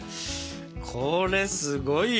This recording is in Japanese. これすごいよ。